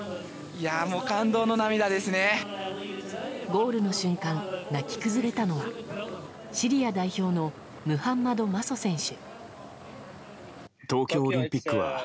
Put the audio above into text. ゴールの瞬間、泣き崩れたのはシリア代表のムハンマド・マソ選手。